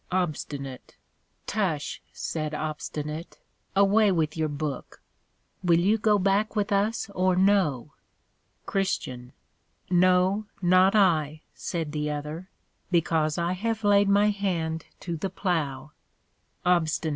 OBST. Tush, said Obstinate, away with your Book; will you go back with us or no? CHR. No, not I, said the other, because I have laid my hand to the Plow. OBST.